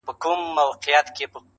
• او پای يې خلاص پاته کيږي,